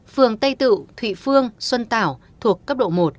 phường tây tự thụy phương xuân tảo thuộc cấp độ một